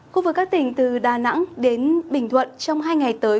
khu vực các tỉnh từ đà nẵng đến bình thuận trong hai ngày tới